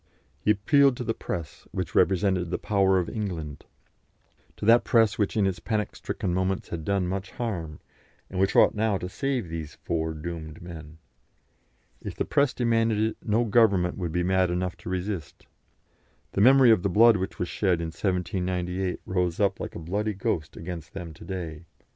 He appealed to the press, which represented the power of England; to that press which in its panic stricken moments had done much harm, and which ought now to save these four doomed men. If the press demanded it, no Government would be mad enough to resist. The memory of the blood which was shed in 1798 rose up like a bloody ghost against them to day.